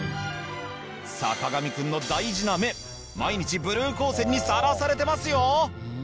坂上くんの大事な目毎日ブルー光線にさらされてますよ！